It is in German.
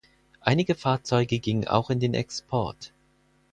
Einige Fahrzeuge gingen auch in den Export.